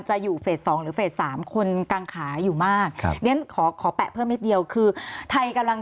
จะอยู่เฟส๒หรือเฟส๓คนกังขาอยู่มากครับเรียนขอขอแปะเพิ่มนิดเดียวคือไทยกำลัง